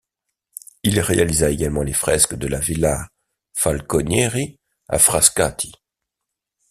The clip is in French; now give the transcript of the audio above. Il réalisa également les fresques de la Villa Falconieri à Frascati.